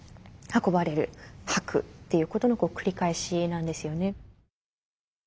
運ばれる吐くっていうことの繰り返しなんですよね。